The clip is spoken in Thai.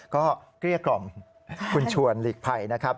ก็เกลี้ยกล่อมคุณชวนหลีกภัยนะครับ